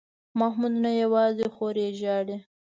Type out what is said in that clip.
محمود نه یوازې خور یې ژاړي.